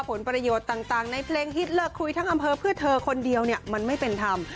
ผลประโยชน์ต่างในเพลงฮิตเลิกคุยทั้งอำเภอเพื่อเธอคนเดียวเนี่ยมันไม่เป็นธรรม